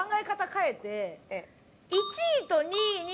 変えて。